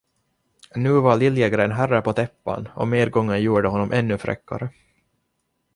Nu var Liljegren herre på täppan och medgången gjorde honom ännu fräckare.